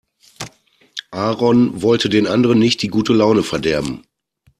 Aaron wollte den anderen nicht die gute Laune verderben.